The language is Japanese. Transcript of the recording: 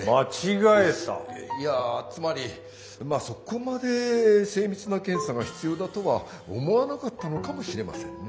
いやつまりまあそこまで精密な検査が必要だとは思わなかったのかもしれませんね。